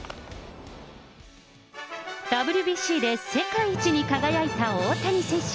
ＷＢＣで世界一に輝いた大谷選手。